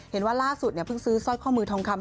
เห็นว่าล่าสุดเพิ่งซื้อสร้อยข้อมือทองคำ